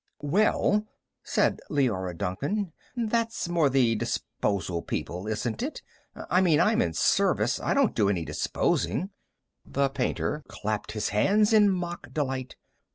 "Well," said Leora Duncan, "that's more the disposal people, isn't it? I mean, I'm in service. I don't do any disposing." The painter clapped his hands in mock delight.